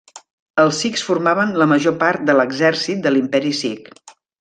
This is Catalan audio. Els sikhs formaven la major part de l'exèrcit de l'Imperi Sikh.